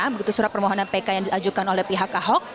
begitu surat permohonan pk yang diajukan oleh pihak ahok